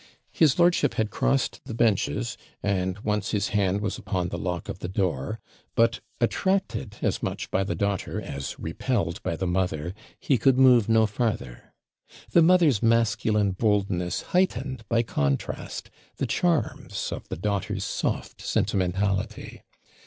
His lordship had crossed the benches, and once his hand was upon the lock of the door; but attracted as much by the daughter as repelled by the mother, he could move no farther. The mother's masculine boldness heightened, by contrast, the charms of the daughter's soft sentimentality.